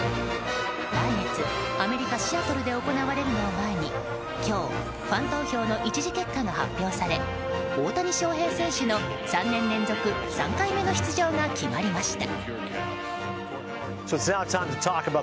来月、アメリカ・シアトルで行われるのを前に今日、ファン投票の１次結果が発表され大谷翔平選手の３年連続３回目の出場が決まりました。